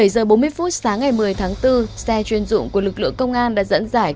bảy giờ bốn mươi phút sáng ngày một mươi tháng bốn xe chuyên dụng của lực lượng công an đã dẫn dải